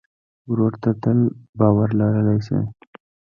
ورور ته تل باور لرلی شې.